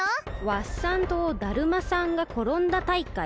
ワッサン島だるまさんがころんだ大会？